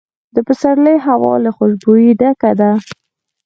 د پسرلي هوا له خوشبویۍ ډکه ده.